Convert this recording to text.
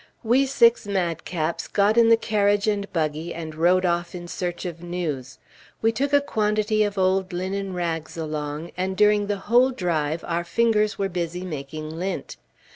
We six madcaps got in the carriage and buggy, and rode off in search of news. We took a quantity of old linen rags along, and during the whole drive, our fingers were busy making lint.